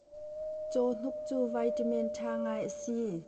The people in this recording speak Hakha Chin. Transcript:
Cawhnuk cu vaiṭamen ṭha ngai a si.